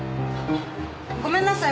ごめんなさい。